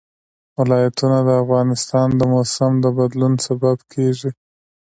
ولایتونه د افغانستان د موسم د بدلون سبب کېږي.